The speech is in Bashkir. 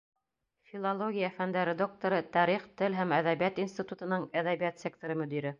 Филология фәндәре докторы, Тарих, тел һәм әҙәбиәт институтының әҙәбиәт секторы мөдире.